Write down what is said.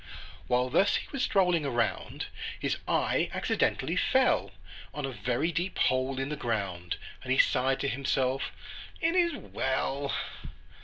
While thus he was strolling around, His eye accidentally fell On a very deep hole in the ground, And he sighed to himself, "It is well!"